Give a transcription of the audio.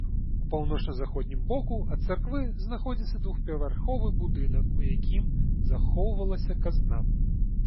У паўночна-заходнім боку ад царквы знаходзіцца двухпавярховы будынак, у якім захоўвалася казна.